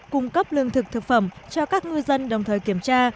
cung cấp lương thực thực phẩm cho các ngư dân đồng thời kiểm tra